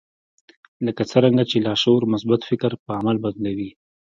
لکه څرنګه چې لاشعور مثبت فکر پر عمل بدلوي.